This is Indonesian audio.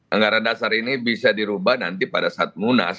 anggaran dasar ini bisa dirubah nanti pada saat munas